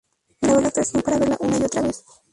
Grabó la actuación para verla una y otra vez.